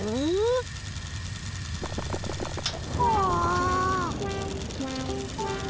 ああ。